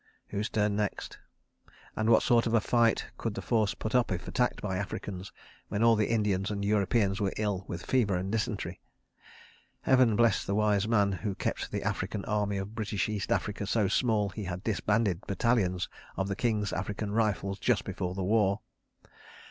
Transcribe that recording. Whose turn next? And what sort of a fight could the force put up if attacked by Africans when all the Indians and Europeans were ill with fever and dysentery? Heaven bless the Wise Man who had kept the African Army of British East Africa so small and had disbanded battalions of the King's African Rifles just before the war.